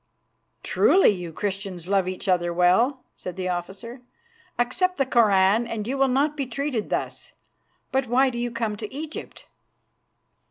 "Truly you Christians love each other well," said the officer. "Accept the Koran and you will not be treated thus. But why do you come to Egypt?"